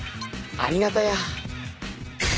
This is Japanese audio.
ありがたや。